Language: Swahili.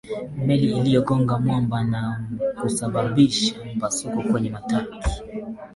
meli iligonga mwamba na kusababisha mpasuko kwenye matanki